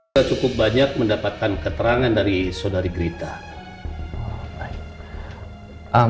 saya cukup banyak mendapatkan keterangan dari saudari grita